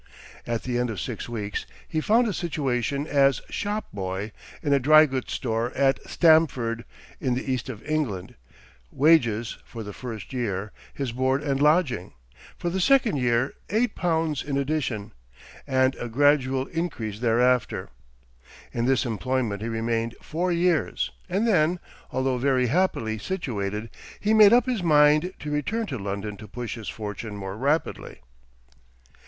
At the end of six weeks he found a situation as shop boy in a dry goods store at Stamford, in the east of England; wages, for the first year, his board and lodging; for the second year, eight pounds in addition; and a gradual increase thereafter. In this employment he remained four years, and then, although very happily situated, he made up his mind to return to London to push his fortune more rapidly.